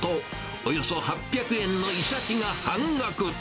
およそ８００円のイサキが半額。